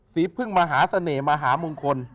สีพึ่งมหาเสน่หมหามงคล